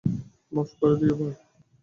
মাফ করে দিও, ভাই।